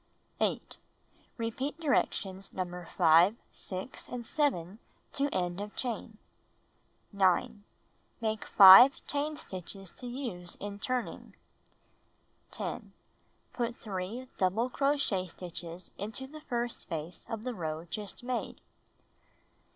8. Repeat directions No. 5, 6, and 7 to end of chain. 9. Make 5 chain stitches to use in turning. 10. Put 3 double crochet stitches into the first space of the row just made.